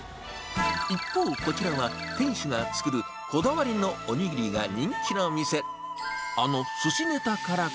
一方、こちらは店主が作るこだわりのおにぎりが人気の店。